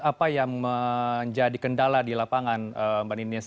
apa yang menjadi kendala di lapangan mbak ninis